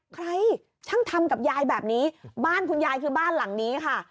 ใครช่างทำกับยายแบบนี้บ้านคุณยายคือบ้านหลังนี้ค่ะ